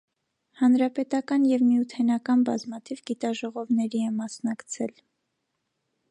Հանրապետական և միութենական բազմաթիվ գիտաժողովների է մասնակցել։